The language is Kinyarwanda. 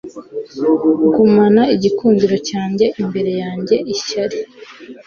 gumana igikundiro cyanjye imbere yanjye ishyari